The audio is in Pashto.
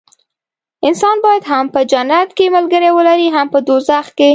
انسان باید هم په جنت کې ملګري ولري هم په دوزخ کې.